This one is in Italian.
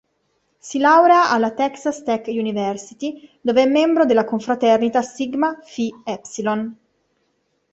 Si laurea alla Texas Tech University dov’è membro della confraternita Sigma Phi Epsilon.